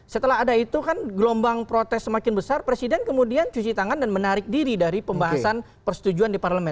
setelah ada itu kan gelombang protes semakin besar presiden kemudian cuci tangan dan menarik diri dari pembahasan persetujuan di parlemen